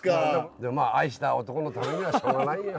でもまあ愛した男のためにならしょうがないよ。